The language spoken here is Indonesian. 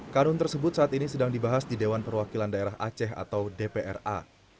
karun tersebut saat ini sedang dibahas di dewan perwakilan daerah aceh atau dpra